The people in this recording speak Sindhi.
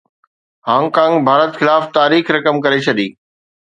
هانگ ڪانگ ڀارت خلاف تاريخ رقم ڪري ڇڏي